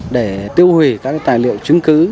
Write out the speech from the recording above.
để tiêu hủy các tài liệu chứng cứ